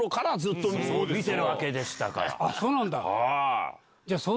そうなんだ。